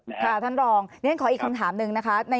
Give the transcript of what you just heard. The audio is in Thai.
ท่านรองเรียนขออีกคำถามหนึ่งนะคะ